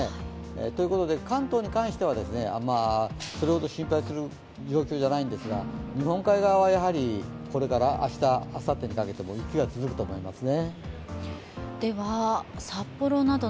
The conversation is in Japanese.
ということで、関東に関してはそれほど心配する状況じゃないんですが、日本海側はやはりこれから、明日あさってにかけても雪が続くと思いますね。